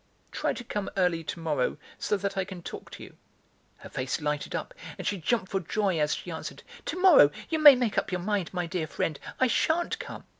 Try to come early to morrow, so that I can talk to you." Her face lighted up and she jumped for joy as she answered: "Tomorrow, you may make up your mind, my dear friend, I sha'n't come!